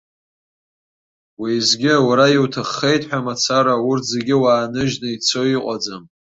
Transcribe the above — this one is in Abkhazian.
Уеизгьы, уара иуҭаххеит ҳәа мацара, урҭ зегьы уааныжьны ицо иҟаӡам.